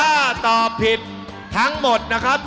ถ้าตอบผิดทั้งหมดนะครับ